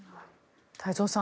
太蔵さん